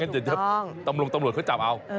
ใช่ถูกต้องตำรวจเขาจับเอา